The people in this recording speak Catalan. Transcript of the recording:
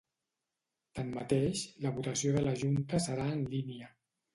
Tanmateix, la votació de la junta serà en línia.